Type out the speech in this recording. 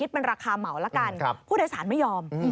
พผู้โดยศาลไม่อยอม